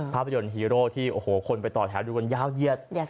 ภาพยนตร์ฮีโร่ที่โอ้โหคนไปต่อแถวดูกันยาวเยียด